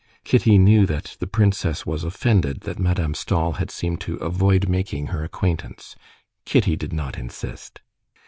Kitty knew that the princess was offended that Madame Stahl had seemed to avoid making her acquaintance. Kitty did not insist.